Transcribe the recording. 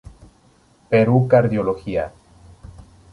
Perú Cardiología.